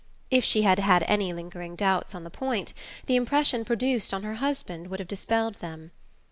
If she had had any lingering doubts on the point, the impression produced on her husband would have dispelled them.